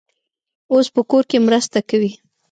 اوس په کور کې مرسته کوي.